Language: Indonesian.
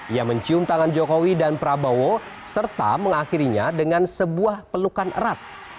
ia mencium tangan jokowi dan prabowo serta mengakhirinya dengan sebuah pelukan erat